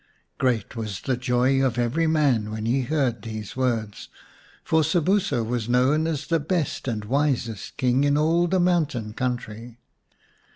Great was the joy of every man when he heard these words, for Sobuso was known as the best and wisest King in all the mountain country.